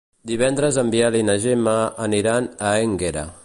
Divendres en Biel i na Gemma aniran a Énguera.